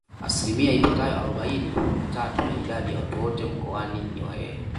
Asilimia ipatayo arobaini na tatu ya idadi ya watu wote Mkoani ni Wahehe